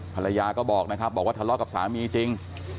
ภรรยาก็บอกนะครับบอกว่าทะเลาะกับสามีจริง